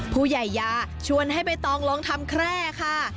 ผู้ใหญ่ยาชวนให้ใบตองลองทำแคร่ค่ะ